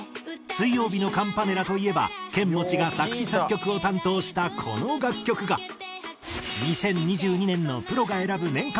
水曜日のカンパネラといえばケンモチが作詞・作曲を担当したこの楽曲が２０２２年のプロが選ぶ年間